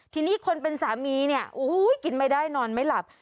ทีนี้คนเป็นสามีเนี่ยกินไม่ได้นอนไม่หลับ